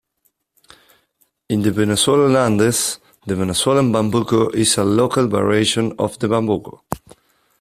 In the Venezuelan Andes, the Venezuelan bambuco is a local variation of the bambuco.